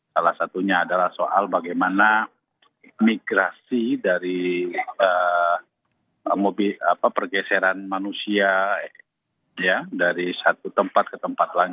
salah satunya adalah soal bagaimana migrasi dari pergeseran manusia dari satu tempat ke tempat lain